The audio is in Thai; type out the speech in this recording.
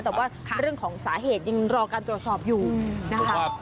แต่ว่าเรื่องของสาเหตุยังรอการตรวจสอบอยู่นะคะ